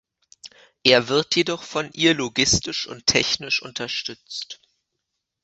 Er wird jedoch von ihr logistisch und technisch unterstützt.